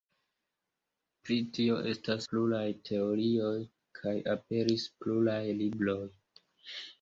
Pri tio estas pluraj teorioj kaj aperis pluraj libroj.